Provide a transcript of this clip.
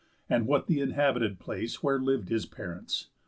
And what th' inhabited place Where liv'd his parents?